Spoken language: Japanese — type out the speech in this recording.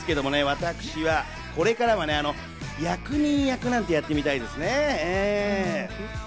私はこれからは役人役なんてやってみたいですね。